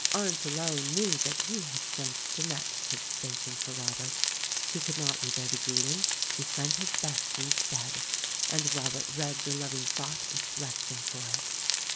Arndt alone knew that he had sent Jeanette to the station for Robert ; he could not be there to greet him — he sent his best, instead. And Robert read the loving thought and blessed him for it.